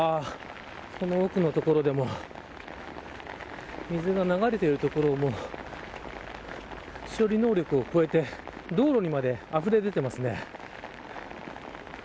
この奥の所でも水が流れている所も処理能力を超えて道路にまであふれでてますね。